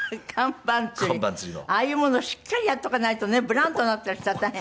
ああいうものしっかりやっとかないとねブランとなったりしたら大変。